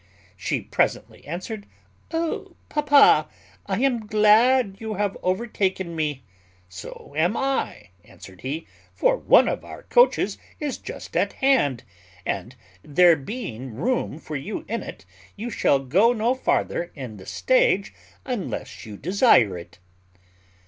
She presently answered, "O papa, I am glad you have overtaken me." "So am I," answered he; "for one of our coaches is just at hand; and, there being room for you in it, you shall go no farther in the stage unless you desire it."